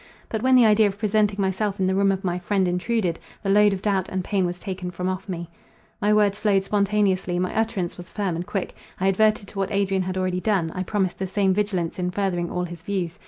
But, when the idea of presenting myself in the room of my friend intruded, the load of doubt and pain was taken from off me. My words flowed spontaneously—my utterance was firm and quick. I adverted to what Adrian had already done—I promised the same vigilance in furthering all his views.